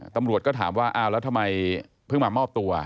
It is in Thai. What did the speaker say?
ตำรวจก็ถามว่าอ้าวแล้วทำไมเพิ่งมามอบตัว